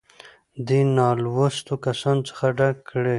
دې نـالـوسـتو کسـانـو څـخـه ډک کـړي.